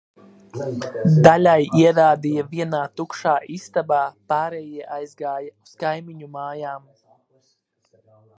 Daļai ierādīja vienā tukšā istabā, pārējie aizgāja uz kaimiņu mājam.